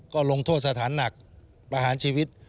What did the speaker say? ก็ลงโทษสถานหนักประหารชีวิต